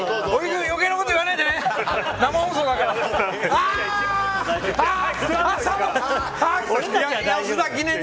荻君、余計なこと言わないでね。